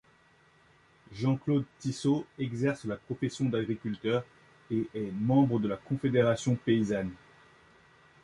Jean-Claude Tissot exerce la profession d'agriculteur et est membre de la Confédération payasanne.